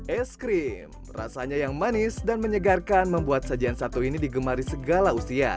es krim rasanya yang manis dan menyegarkan membuat sajian satu ini digemari segala usia